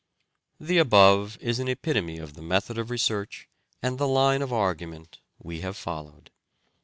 The above is an epitome of the method of research and the line of argument we have followed.